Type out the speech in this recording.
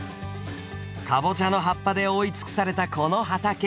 カボチャの葉っぱで覆い尽くされたこの畑。